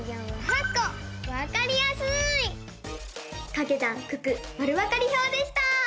「かけ算九九まるわかり表」でした！